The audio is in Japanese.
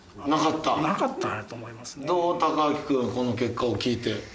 たかあき君この結果を聞いて。